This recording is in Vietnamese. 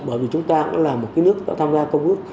bởi vì chúng ta cũng là một cái nước đã tham gia công ước